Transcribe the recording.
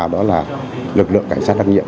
đó là lực lượng cảnh sát đặc biệt